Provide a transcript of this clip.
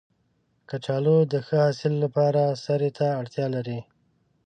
کچالو د ښه حاصل لپاره سرې ته اړتیا لري